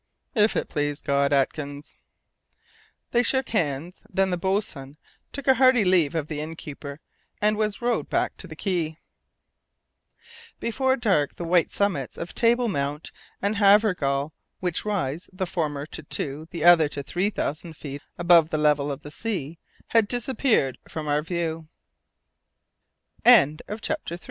"If it please God, Atkins." They shook hands. Then the boatswain took a hearty leave of the innkeeper, and was rowed back to the quay. Before dark the white summits of Table Mount and Havergal, which rise, the former to two, the other to three thousand feet above the level of the s